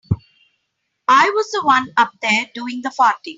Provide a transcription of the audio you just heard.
I was the one up there doing the farting.